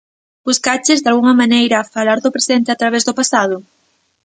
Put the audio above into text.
Buscaches, dalgunha maneira, falar do presente a través do pasado?